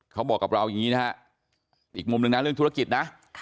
เขาบอกกับเราอย่างนี้นะฮะอีกมุมหนึ่งนะเรื่องธุรกิจนะ